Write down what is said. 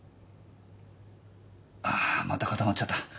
ああまた固まっちゃった。